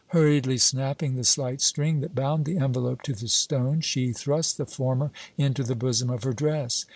Hurriedly snapping the slight string that bound the envelope to the stone, she thrust the former into the bosom of her dress.